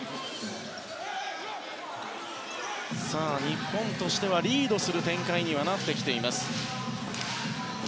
日本としてはリードする展開になってきています。